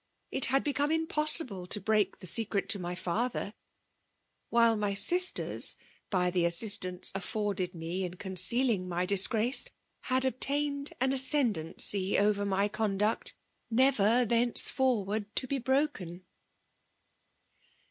It had become impossible to break the secret to my father; whUe fliy sisters, by the assistance afforded me in con eealing my disgrace, had obtained an ssees daney over my eonduet, never thenceforwaid to be broken.